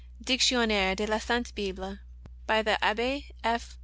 Dictionaire de la S. Bible, by the Abbe F.